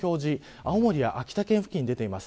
青森や秋田県付近に出ています。